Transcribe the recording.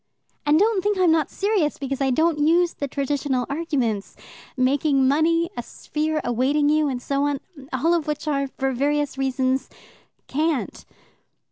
"And don't think I'm not serious because I don't use the traditional arguments making money, a sphere awaiting you, and so on all of which are, for various reasons, cant."